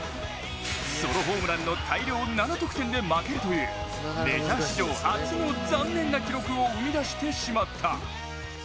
ソロホームランの大量７得点で負けるというメジャー史上初の残念な記録を生み出してしまった。